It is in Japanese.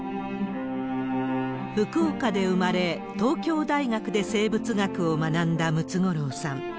福岡で生まれ、東京大学で生物学を学んだムツゴロウさん。